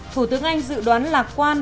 thủ tướng anh dự đoán lạc quan